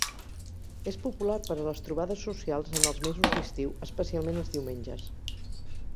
És popular per a les trobades socials en els mesos d'estiu, especialment els diumenges.